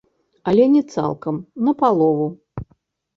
Але не цалкам, на палову.